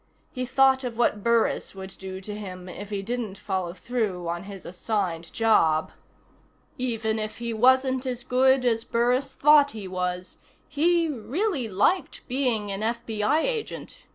He thought of what Burris would do to him if he didn't follow through on his assigned job. Even if he wasn't as good as Burris thought he was, he really liked being an FBI agent.